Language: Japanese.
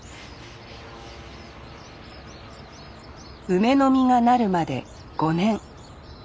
梅の実がなるまで５年。